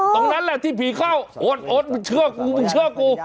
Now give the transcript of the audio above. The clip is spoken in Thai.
ตรงนั้นแหละที่ผีเข้าโอ๊ตโอ๊ตมึงเชื่อกูมึงเชื่อกู